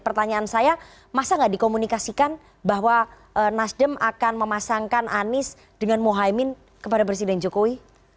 pertanyaan saya masa nggak dikomunikasikan bahwa nasdem akan memasangkan anies dengan mohaimin kepada presiden jokowi